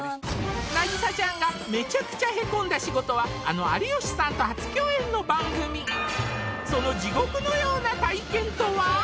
凪咲ちゃんがめちゃくちゃヘコんだ仕事はあの有吉さんと初共演の番組その地獄のような体験とは！？